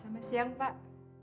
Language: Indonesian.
selamat siang pak